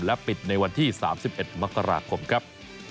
และปิดในวันที่๓๑มกราคมครับ